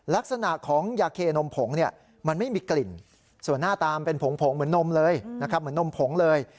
ลักษณะของยาเคนมผงเนี่ยมันไม่มีกลิ่นส่วนหน้าตามเป็นผงเหมือนนมเลยนะครับเหมือนนมผงเลย